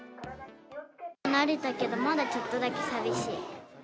慣れたけど、まだちょっとだけ寂しい。